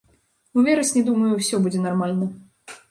У верасні, думаю, усё будзе нармальна.